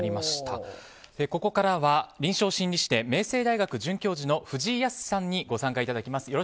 ここからは、臨床心理士で明星大学准教授の藤井靖さんにご参加いただきます。